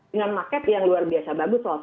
dengan market yang luar biasa bagus